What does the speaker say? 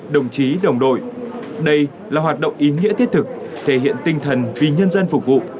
đồng chí đồng đội đây là hoạt động ý nghĩa thiết thực thể hiện tinh thần vì nhân dân phục vụ